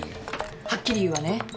はっきり言うわね。